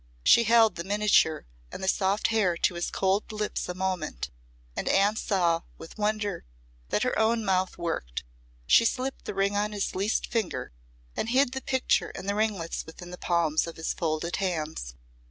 She held the miniature and the soft hair to his cold lips a moment, and Anne saw with wonder that her own mouth worked. She slipped the ring on his least finger, and hid the picture and the ringlets within the palms of his folded hands.